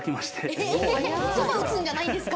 えーっそば打つんじゃないんですか？